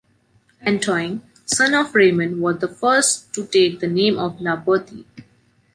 Antoine, son of Raymond, was the first to take the name La Boétie.